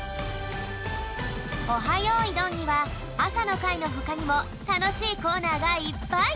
よいどん」にはあさのかいのほかにもたのしいコーナーがいっぱい！